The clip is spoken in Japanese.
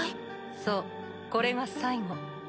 そうこれが最後。